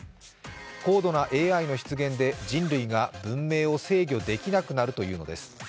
高度なＡＩの出現で人類が文明を制御できなくなるのです。